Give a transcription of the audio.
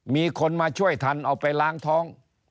มีคนมาช่วยทันเอาไปล้างท้อง